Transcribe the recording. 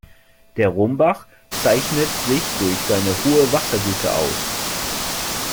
Der Rombach zeichnet sich durch seine hohe Wassergüte aus.